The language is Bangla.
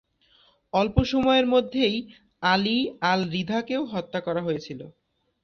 অল্প সময়ের মধ্যেই আলী আল-রিধাকেও হত্যা করা হয়েছিল।